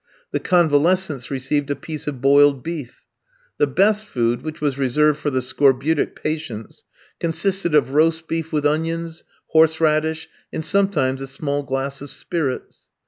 The convalescents received a piece of boiled beef. The best food, which was reserved for the scorbutic patients, consisted of roast beef with onions, horseradish, and sometimes a small glass of spirits.